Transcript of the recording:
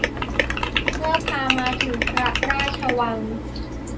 เมื่อพามาถึงพระราชวัง